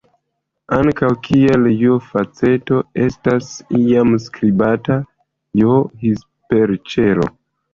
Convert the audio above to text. Ankaŭ, kiel "j"-faceto estas iam priskribata "j"-hiperĉelo.